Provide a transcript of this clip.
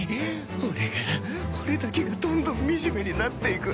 俺が俺だけがどんどん惨めになっていく。